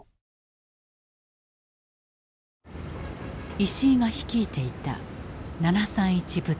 石井が率いていた７３１部隊。